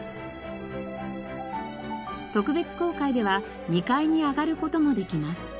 特別公開では２階に上がる事もできます。